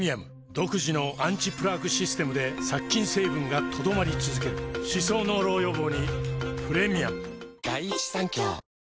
独自のアンチプラークシステムで殺菌成分が留まり続ける歯槽膿漏予防にプレミアム